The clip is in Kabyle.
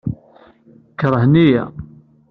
Keṛhen-iyi.